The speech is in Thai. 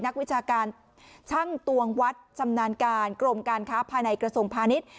นักวิชาการชั่งตรวงวัดชำนาญการกรมการครับภายในกระสงค์พาณิชย์